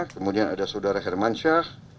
kemudian ada saudara hermansyah